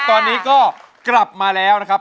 ตอนนี้ก็กลับมาแล้วนะครับ